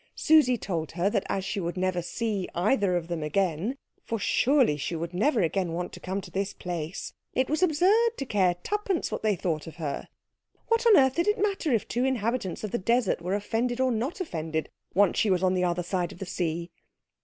Susie told her that as she would never see either of them again for surely she would never again want to come to this place? it was absurd to care twopence what they thought of her. What on earth did it matter if two inhabitants of the desert were offended or not offended once she was on the other side of the sea?